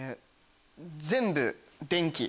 全部電気。